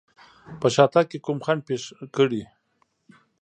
په شاتګ کې کوم خنډ پېښ کړي.